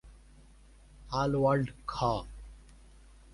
আল-ওয়াল্ড খ।